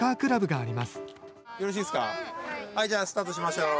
はいじゃあスタートしましょう。